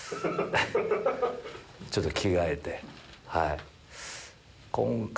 ちょっと着替えて。